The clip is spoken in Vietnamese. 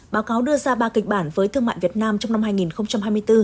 báo cáo đưa ra ba kịch bản với thương mại việt nam trong năm hai nghìn hai mươi bốn